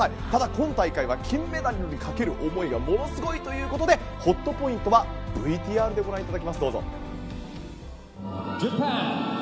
ただ、今大会は金メダルにかける思いがものすごいということでホットポイントはＶＴＲでご覧いただきます。